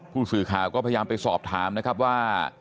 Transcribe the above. ผู้สื่อข่าวก็พยายามไปสอบถามนะครับว่า